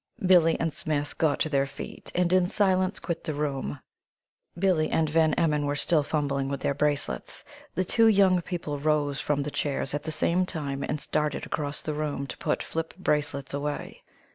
Billie and Smith got to their feet, and in silence quit the room Billie and Van Emmon were still fumbling with their bracelets. The two young people rose from the chairs at the same time and started across the room to put flip bracelets away.